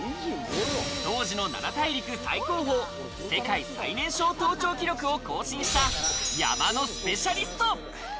当時の７大陸最高峰、世界最年少登頂記録を更新した山のスペシャリスト。